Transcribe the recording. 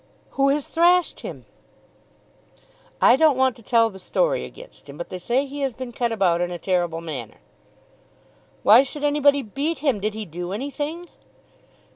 "Who has thrashed him?" "I don't want to tell the story against him, but they say he has been cut about in a terrible manner." "Why should anybody beat him? Did he do anything?"